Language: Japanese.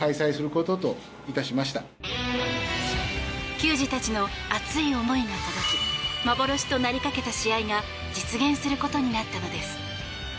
球児たちの熱い思いが届き幻となりかけた試合が実現することになったのです。